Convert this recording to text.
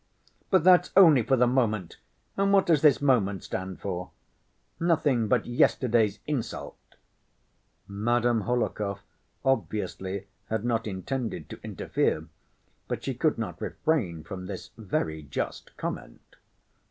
"But that's only for the moment. And what does this moment stand for? Nothing but yesterday's insult." Madame Hohlakov obviously had not intended to interfere, but she could not refrain from this very just comment.